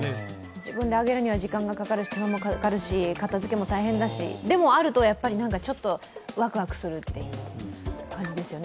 自分で揚げるには時間も手間もかかるし片づけも大変だし、でも、あるとちょっとワクワクするという感じですよね。